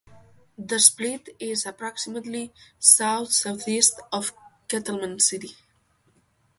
The split is approximately south-southeast of Kettleman City.